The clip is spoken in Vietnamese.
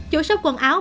chủ shop quần áo